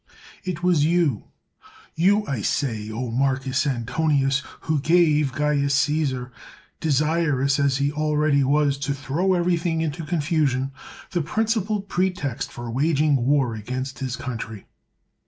It was you, you, I say, O Marcus Antonius, who gave Caius Caesar, desirous as he already was to throw everything into confusion, the prin cipal pretext for waging war against his coun try.